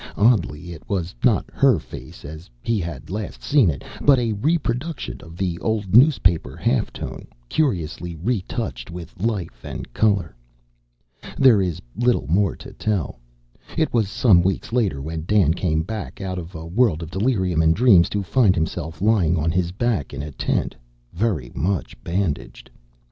Oddly, it was not her face as he had last seen it, but a reproduction of the old newspaper half tone, curiously retouched with life and color. There is little more to tell. It was some weeks later when Dan came back out of a world of delirium and dreams, to find himself lying on his back in a tent, very much bandaged.